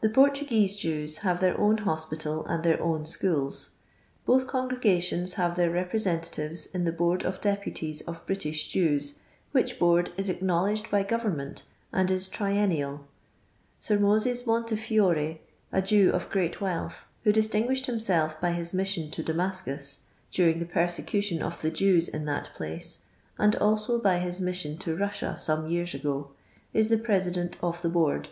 The Portuguese Jews have their own hospital and their own schools. Both con gregations have their representatives in the Board of Deputies of British Jews, which board is ac knowledged by government, and is triennial. Sir Moses Montefiore, a Jew of great wealth, who distinguished himself by his mission to Damascus, during the persecution of the Jews in that place, and also by his mission to Russia, some years ago, is the President of the Board.